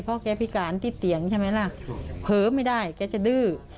เพราะแกพิการที่เตียงใช่ไหมล่ะเผลอไม่ได้แกจะดื้อ